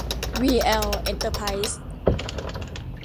วี แอล เอ็นเตอร์ไพรส์